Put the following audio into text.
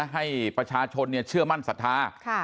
ให้ประชาชนเชื่อมั่นสถา